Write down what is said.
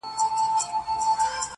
د شهیدانو د قبرونو کوي٫